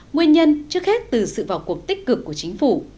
nguyên nhân trước hết từ sự vào cuộc tích cực của chính phủ